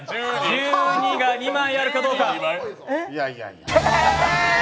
１２が２枚あるかどうか？